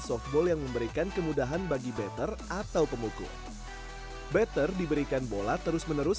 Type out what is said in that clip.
softball yang memberikan kemudahan bagi better atau pemukul better diberikan bola terus menerus